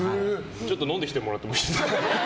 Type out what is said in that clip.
ちょっと飲んできてもらってもいいですか。